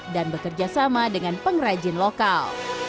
dan bekerja sama dengan pengrajin lokal